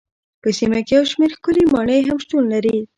په سیمه کې یو شمېر ښکلې ماڼۍ هم شتون درلود.